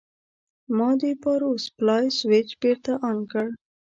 ما د پاور سپلای سویچ بېرته آن کړ.